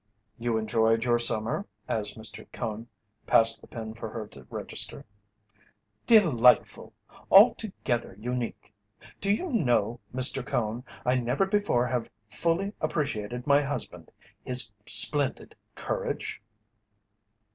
"You enjoyed your summer?" As Mr. Cone passed the pen for her to register. "Delightful! Altogether unique! Do you know, Mr. Cone, I never before have fully appreciated my husband his splendid courage?"